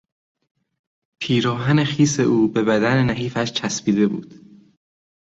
پیراهن خیس او به بدن نحیفش چسبیده بود.